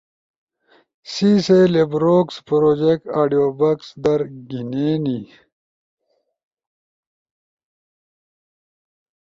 ، سی سے لیبروکس پروجیکٹ آڈیوبکس در گھینینی۔